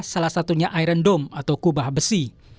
salah satunya iron dome atau kubah besi